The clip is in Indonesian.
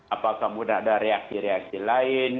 apakah kemudian ada reaksi reaksi lain